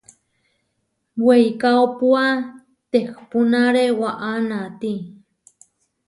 Weikaópua tehpúnare waʼá naati.